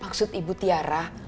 maksud ibu tiara